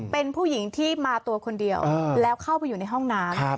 เป็นผู้หญิงที่มาตัวคนเดียวแล้วเข้าไปอยู่ในห้องน้ำ